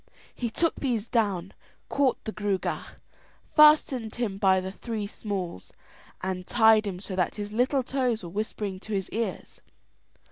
He took these down, caught the Gruagach, fastened him by the three smalls, and tied him so that his little toes were whispering to his ears.